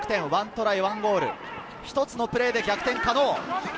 １トライ、１ゴール、１つのプレーで逆転可能。